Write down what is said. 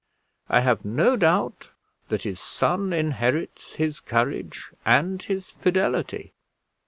I have no doubt that his son inherits his courage and his fidelity."